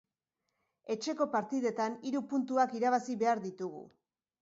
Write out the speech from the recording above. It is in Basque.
Etxeko partidetan hiru puntuak irabazi behar ditugu.